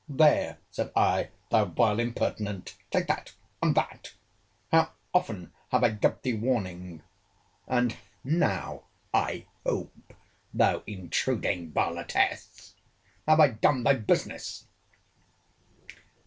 —There, said I, thou vile impertinent!—take that, and that!—How often have I gave thee warning!—and now, I hope, thou intruding varletess, have I done thy business!